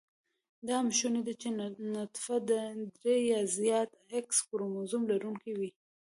دا هم شونې ده چې نطفه د درې يا زیات x کروموزم لرونېکې وي